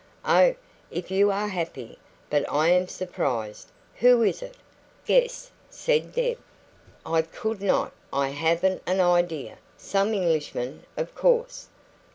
"Oh, if you are happy! But I am so surprised. Who is it?" "Guess," said Deb. "I could not. I haven't an idea. Some Englishman, of course."